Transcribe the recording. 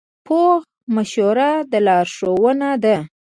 پوخ مشوره لارښوونه ده